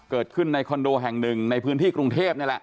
เกิดขึ้นในคอนโดแห่งหนึ่งในพื้นที่กรุงเทพนี่แหละ